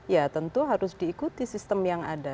ya tentu harus diikuti sistem yang ada